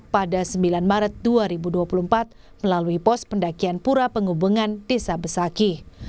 pada sembilan maret dua ribu dua puluh empat melalui pos pendakian pura penghubungan desa besaki